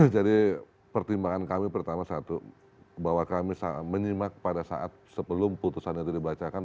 jadi pertimbangan kami pertama satu bahwa kami menyimak pada saat sebelum putusan yang dibacakan